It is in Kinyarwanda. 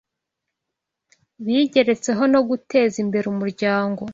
Bigeretseho no guteza imbere umuryango